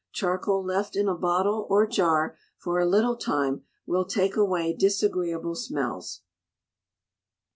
Charcoal left in a bottle or jar for a little time will take away disagreeable smells.